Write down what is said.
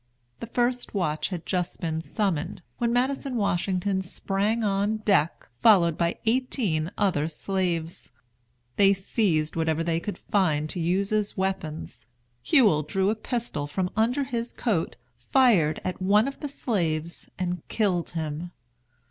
The first watch had just been summoned, when Madison Washington sprang on deck, followed by eighteen other slaves. They seized whatever they could find to use as weapons. Hewell drew a pistol from under his coat, fired at one of the slaves and killed him.